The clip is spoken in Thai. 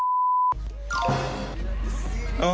โทน